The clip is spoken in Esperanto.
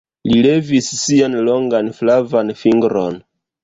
Li levis sian longan flavan fingron.